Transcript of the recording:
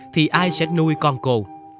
thì ai sẽ nuôi con cô